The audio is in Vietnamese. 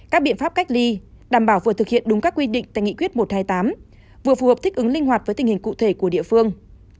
các biện pháp cách ly đảm bảo vừa thực hiện đúng các quy định tại nghị quyết một trăm hai mươi tám vừa phù hợp thích ứng linh hoạt với tình hình cụ thể của địa phương